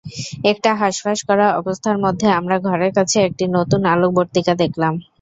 একটা হাঁসফাঁস করা অবস্থার মধ্যে আমরা ঘরের কাছে একটি নতুন আলোকবর্তিকা দেখলাম।